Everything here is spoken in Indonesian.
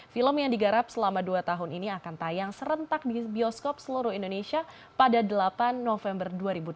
film yang digarap selama dua tahun ini akan tayang serentak di bioskop seluruh indonesia pada delapan november dua ribu delapan belas